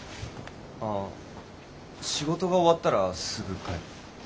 ああ仕事が終わったらすぐ帰る。